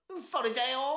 それじゃよ。